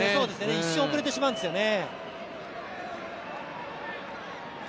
一瞬、遅れてしまうんですよね。